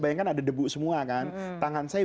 bayangkan ada debu semua kan tangan saya